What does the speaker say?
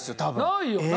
ないよな。